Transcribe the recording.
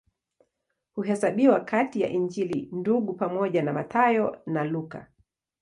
Huhesabiwa kati ya Injili Ndugu pamoja na Mathayo na Luka.